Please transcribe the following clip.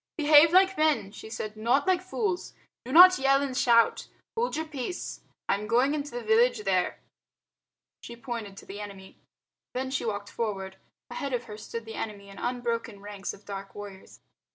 "Behave like men," she said, "not like fools. Do not yell and shout. Hold your peace. I am going into the village there." She pointed to the enemy. Then she walked forward. Ahead of her stood the enemy in unbroken ranks of dark warriors.